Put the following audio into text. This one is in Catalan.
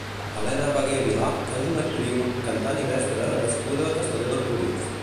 Helena Bagué Vilà és una actriu, cantant i mestra nascuda a Castelló d'Empúries.